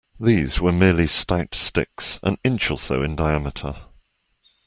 These were merely stout sticks an inch or so in diameter.